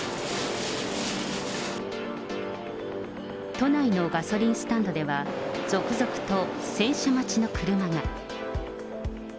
都内のガソリンスタンドでは、続々と洗車待ちの車が。